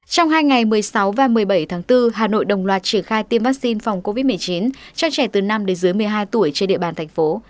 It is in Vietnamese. trong hai ngày một mươi sáu và một mươi bảy tháng bốn hà nội đồng loạt triển khai tiêm vaccine phòng covid một mươi chín cho trẻ từ năm đến dưới một mươi hai tuổi trên địa bàn thành phố